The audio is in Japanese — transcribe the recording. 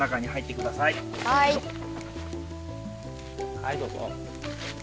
はいどうぞ。